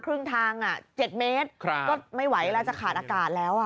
ครึ่งทาง๗เมตรก็ไม่ไหวแล้วจะขาดอากาศแล้ว